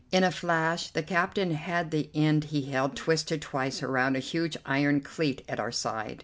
In a flash the captain had the end he held twisted twice around a huge iron cleat at our side.